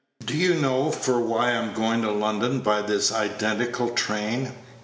"Do you know for why I'm going to London by this identical train?"